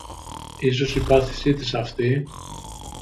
Ίσως η πάθησή της αυτή